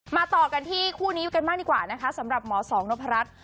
ต่อกันที่คู่นี้กันบ้างดีกว่านะคะสำหรับหมอสองนพรัช